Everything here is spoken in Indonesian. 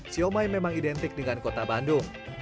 siomay memang identik dengan kota bandung